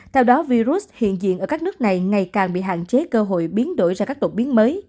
theo đó virus hiện diện ở các nước này ngày càng bị hạn chế cơ hội biến đổi ra các đồn